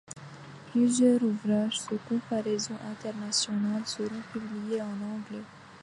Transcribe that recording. Plusieurs ouvrages de comparaison internationale seront publiés en anglais.